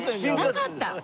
なかった。